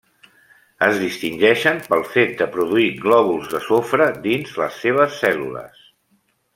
Es distingeixen pel fet de produir glòbuls de sofre dins les seves cèl·lules.